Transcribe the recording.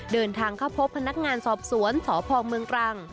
เดินทางเข้าพบพนักงานสอบสวนสพเมืองตรัง